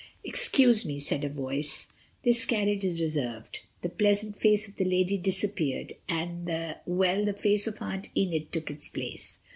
"Excuse me," said a voice, "this carriage is reserved." The pleasant face of the lady disappeared and the—well, the face of Aunt Enid took its place.